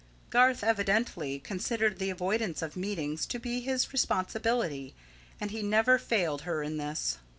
Garth evidently considered the avoidance of meetings to be his responsibility, and he never failed her in this.